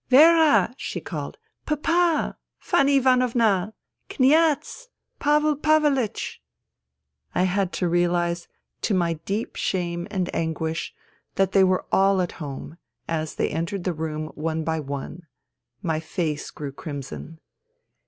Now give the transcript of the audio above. *' Vera !'* she called. " Papa 1 Fanny Ivanovna ! Kniaz ! Pavl Pavlch !" I had to realize, to my deep shame and anguish, that they were all at home, as they entered the room one by one. My face grew crimson.